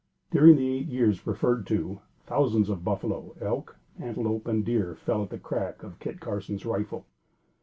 During the eight years referred to, thousands of buffalo, elk, antelope and deer fell at the crack of Kit Carson's rifle.